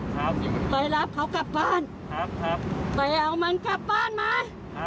ไปไปรับเขากลับบ้านไปเอามันกลับบ้านมา